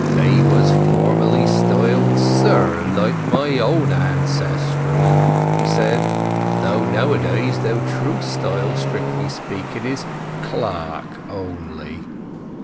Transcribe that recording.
"They was formerly styled 'sir', like my own ancestry," he said, "though nowadays their true style, strictly speaking, is 'clerk' only."